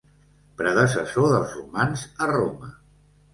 Predecessor dels romans a Roma.